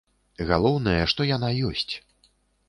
Галоўнае, што яна ёсць.